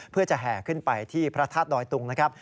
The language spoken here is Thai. เพื่อจะแห่ขึ้นไปที่พระธาตุดอยตุงนะครับ